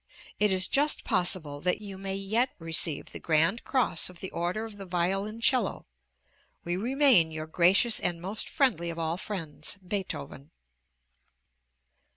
It is just possible that you may yet receive the Grand Cross of the Order of the Violoncello. We remain your gracious and most friendly of all friends, BEETHOVEN.